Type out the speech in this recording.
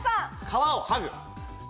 皮を剥ぐ。